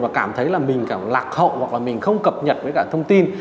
và cảm thấy là mình cảm lạc hậu hoặc là mình không cập nhật với cả thông tin